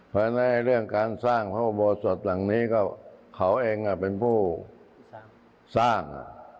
เพราะฉะนั้นในเรื่องการสร้างทุกวัวสดธิ์ตลังนี้ก็เขาคือเป็นผู้สร้าง